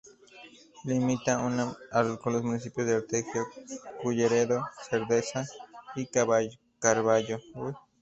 Limita con los municipios de Arteijo, Culleredo, Cerceda y Carballo.